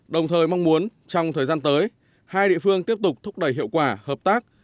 đồng thời mong muốn trong thời gian tới hai địa phương tiếp tục thúc đẩy hiệu quả hợp tác